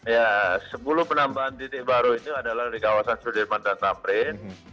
ya sepuluh penambahan titik baru itu adalah di kawasan sudirman dan tamrin